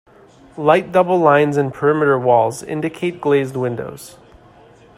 Light double lines in perimeter walls indicate glazed windows.